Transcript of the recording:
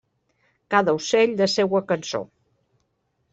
Cada ocell la seua cançó.